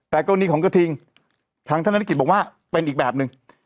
แต่กรณีของกระทิงทางธนกิจบอกว่าเป็นอีกแบบหนึ่ง